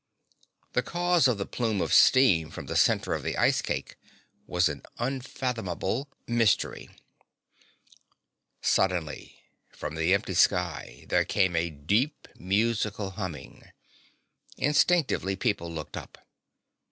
The cause of the plume of steam from the center of the ice cake was an unfathomable mystery. Suddenly, from the empty sky, there came a deep, musical humming. Instinctively people looked up.